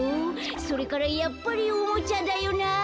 それからやっぱりおもちゃだよな」。